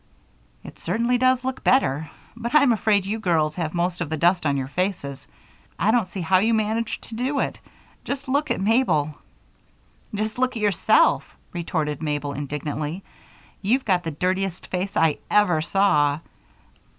"It certainly does look better, but I'm afraid you girls have most of the dust on your faces. I don't see how you managed to do it. Just look at Mabel." "Just look at yourself!" retorted Mabel, indignantly. "You've got the dirtiest face I ever saw."